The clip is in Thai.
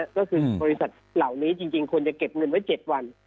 ก็คือบริษัทเหล่านี้จริงควรจะเก็บเงินไว้๗วัน